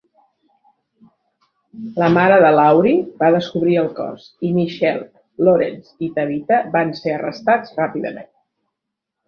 La mare de Laurie va descobrir el cos i Michelle, Lawrence i Tabitha van ser arrestats ràpidament.